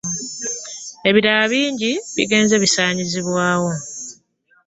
Ebibira bingi bigenze bisaanyizibwawo.